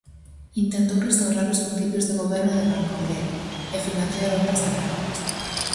Intentou restaurar os principios de goberno de Marco Aurelio e financiar obras agrarias.